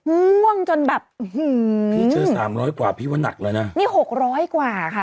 ม่วงจนแบบอื้อหือพี่เจอสามร้อยกว่าพี่ว่านักแล้วนะนี่หกร้อยกว่าค่ะ